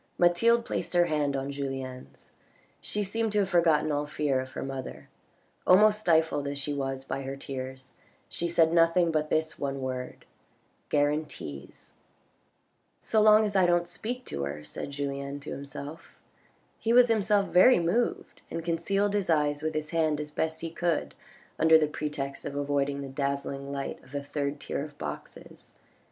Mathilde placed her hand on Julien's ; she seemed to have forgotten all fear of her mother. Almost stifled as she was by her tears, she said nothing but this one word :" Guarantees !"" So long as I don't speak to her," said Julien to himself. He was himself very moved, and concealed his eyes with his hand as best he could under the pretext of avoiding the dazzling light of the third tier of boxes.